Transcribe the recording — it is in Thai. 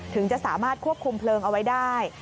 ถึงจะสามารถควบคุมเพลิงเอาไว้ได้